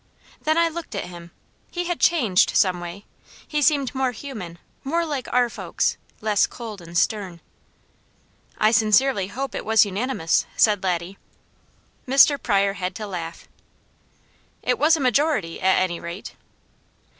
Then I looked at him. He had changed, some way. He seemed more human, more like our folks, less cold and stern. "I sincerely hope it was unanimous," said Laddie. Mr. Pryor had to laugh. "It was a majority, at any rate."